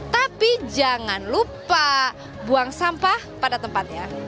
tapi jangan lupa buang sampah pada tempatnya